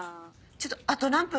ちょっとあと何分？